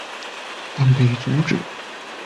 但被阻止。